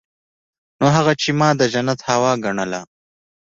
نو هغه چې ما د جنت هوا ګڼله.